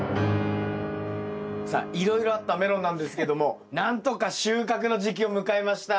さあいろいろあったメロンなんですけども何とか収穫の時期を迎えました。